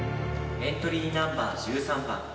エントリーナンバー１３番。